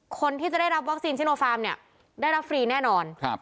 คนที่จะได้รับวัคซีนซิโนฟาร์มเนี่ยได้รับฟรีแน่นอน